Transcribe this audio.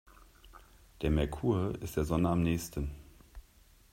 Der Merkur ist der Sonne am nähesten.